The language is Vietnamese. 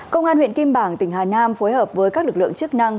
công an huyện kim bảng tỉnh hà nam phối hợp với các lực lượng chức năng